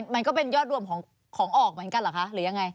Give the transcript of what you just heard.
มันก็เป็นยอดรวมของออกเหมือนกันเหรอคะหรือยังไง